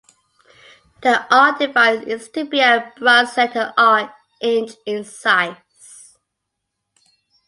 The "R" device is to be a bronze letter "R", inch in size.